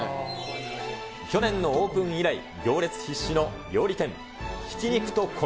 去年のオープン以来、行列必至の料理店、挽肉と米。